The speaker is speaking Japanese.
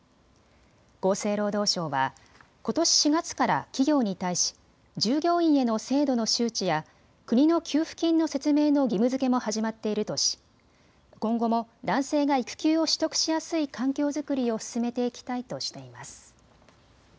厚生労働省はことし４月から企業に対し従業員への制度の周知や国の給付金の説明の義務づけも始まっているとし今後も男性が育休を取得しやすい環境作りを進めていきたいとしています。